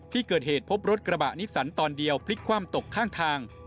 ที่เกิดเหตุพบรถกระบะนิสสันตอนเดียวพลิกคว่ำตกข้างทาง